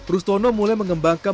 rustono mulai mengembangkan